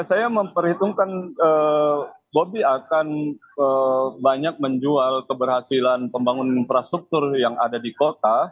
saya memperhitungkan bobi akan banyak menjual keberhasilan pembangunan infrastruktur yang ada di kota